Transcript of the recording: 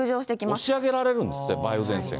押し上げられるんですって、梅雨前線。